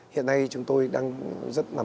hiện nay chúng tôi đang rất là